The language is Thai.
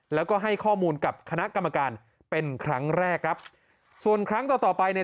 แล้วก็ให้ข้อมูลกับคณะกรรมการเป็นครั้งแรกครับส่วนครั้งต่อต่อไปเนี่ย